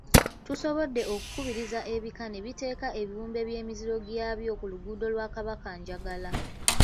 Tusobodde okukubiriza ebika ne biteeka ebiwunde by’emiziro gyabyo ku luguudo lwa Kabakanjagala.